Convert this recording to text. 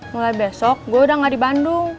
mulai besok gue udah gak di bandung